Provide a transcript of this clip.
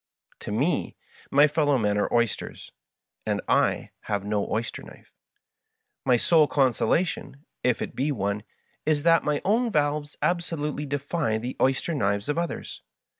To me my fellow men are oysters, and I have no oyster knife; my sole consolation (if it be one) is that my own valves absolutely defy the oys ter knives of others.